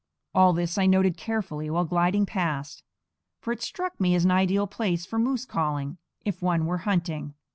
All this I noted carefully while gliding past; for it struck me as an ideal place for moose calling, if one were hunting.